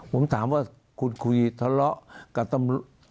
ผมถามว่าคุณคุยทะเลาะกับตำรวจ